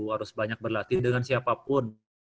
harus banyak berlatih dengan siapapun